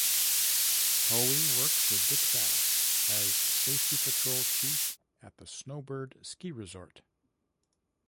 Hoey worked for Dick Bass, as safety patrol chief at the Snowbird ski resort.